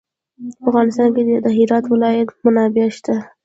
په افغانستان کې د هرات ولایت منابع شته.